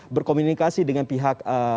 berkomunikasi dengan pihak